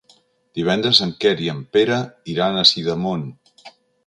Divendres en Quer i en Pere iran a Sidamon.